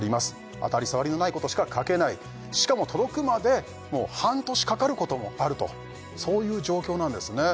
当たり障りのないことしか書けないしかも届くまで半年かかることもあるとそういう状況なんですね